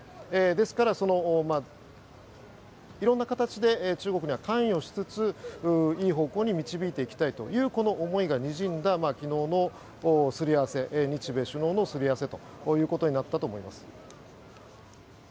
ですから、色んな形で中国には関与しつついい方向に導いていきたいというのがにじんだ昨日のすり合わせ日米首脳のすり合わせということになったと思います。